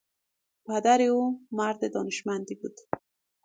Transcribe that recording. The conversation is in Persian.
پدر او مرد دانشمندی بود.